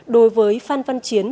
đối với phan văn chiến